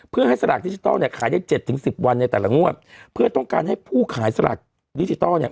เพื่อให้สลากดิจิทัลเนี่ยขายได้เจ็ดถึงสิบวันในแต่ละงวดเพื่อต้องการให้ผู้ขายสลากดิจิทัลเนี่ย